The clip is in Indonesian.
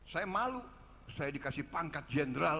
saya malu saya dikasih pangkat jenderal